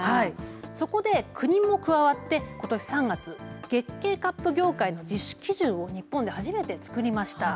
そこで国も加わってことし３月月経カップ業界の自主基準を日本で初めてつくりました。